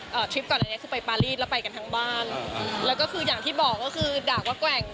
ทริปก่อนอันเนี้ยคือไปปารีสแล้วไปกันทั้งบ้านแล้วก็คืออย่างที่บอกก็คือด่าว่าแกว่ง